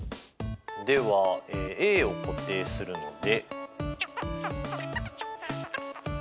ではＡを固定するので。